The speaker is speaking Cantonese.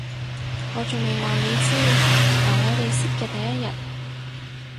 我仲未話你知，由我哋識嘅第一日